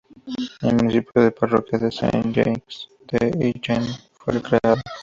El municipio de parroquia de Saint-Jacques-de-l'Achigan fue recreado.